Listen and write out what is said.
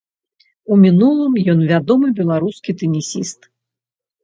У мінулым ён вядомы беларускі тэнісіст.